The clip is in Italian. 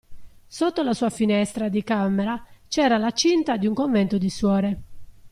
Sotto la sua finestra di camera c'era la cinta di un convento di suore.